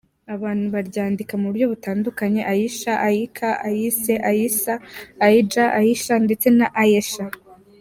Abantu baryandika mu buryo butandukanye: Aisha, Aicha, Ayşe, Aiša, Ajša, Aïcha, ndetse na Ayesha.